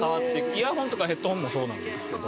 イヤホンとかヘッドホンもそうなんですけど。